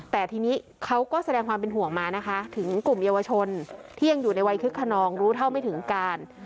แต่ทีนี้เขาก็แสดงความเป็นห่วงมานะคะถึงกลุ่มเยาวชนที่ยังอยู่ในวัยคึกขนองรู้เท่าไม่ถึงการ